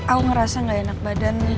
aku ngerasa gak enak badan